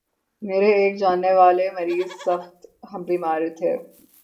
میرے ایک جاننے والے مریض سخت بیمار تھے